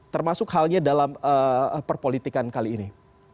termasuk halnya dalam perpolitikan kali ini